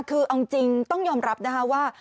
คือเอาจริงต้องยอมรับนะคะว่า